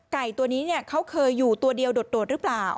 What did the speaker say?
ไก่ตัวนี้เขาเคยอยู่ตัวเดียวโดดหรือเปล่า